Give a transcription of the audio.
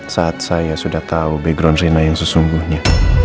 saat saya sudah tahu background zina yang sesungguhnya